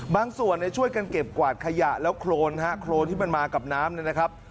บางส่วนช่วยกันเก็บกวาดขยะแล้วโครนโครนที่มันมากับน้ำ